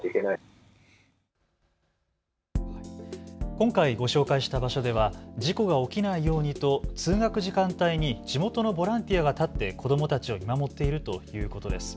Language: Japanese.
今回ご紹介した場所では事故が起きないようにと通学時間帯に地元のボランティアが立って子どもたちを見守っているということです。